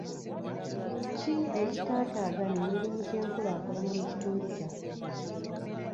Ki ekitaataaganya emirimu gy'enkulaakulana mu kitundu kyaffe?